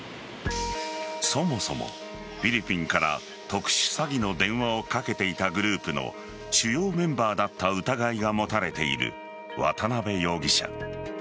そもそも、フィリピンから特殊詐欺の電話をかけていたグループの主要メンバーだった疑いが持たれている渡辺容疑者。